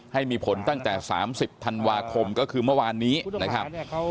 ให้มีผลตั้งแต่๓๐ธันวาคมก็คือเมื่อวานนี้นะครับ